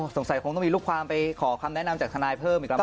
สงสัยคงต้องมีลูกความไปขอคำแนะนำจากทนายเพิ่มอีกแล้ว